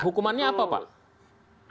hukumannya apa pak